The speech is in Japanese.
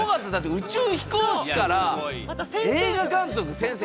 宇宙飛行士から映画監督先生